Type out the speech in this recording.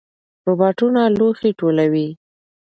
روباټونه لوښي ټولوي.